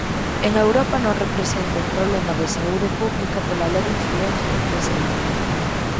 En Europa non representa un problema de saúde pública pola leve incidencia que presenta.